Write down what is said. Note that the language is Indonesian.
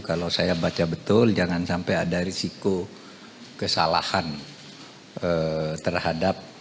kalau saya baca betul jangan sampai ada risiko kesalahan terhadap